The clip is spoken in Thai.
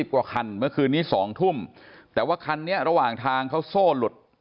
กว่าคันเมื่อคืนนี้๒ทุ่มแต่ว่าคันนี้ระหว่างทางเขาโซ่หลุด